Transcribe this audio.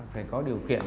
phải có điều kiện